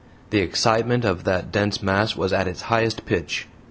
The excitement of that dense mass was at its highest pitch.